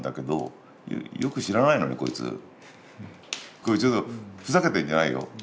これちょっとふざけてんじゃないよ。